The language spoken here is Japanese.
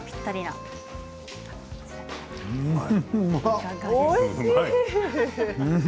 おいしい。